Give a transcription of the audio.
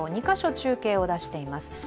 ２カ所中継を出しています。